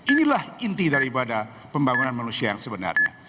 inilah inti daripada pembangunan manusia yang sebenarnya